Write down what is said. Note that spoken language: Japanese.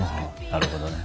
なるほどね。